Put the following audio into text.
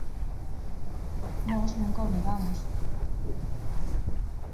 Nós nunca o negamos.